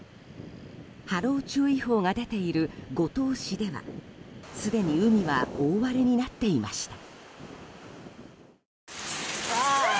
波浪注意報が出ている五島市ではすでに海は大荒れになっていました。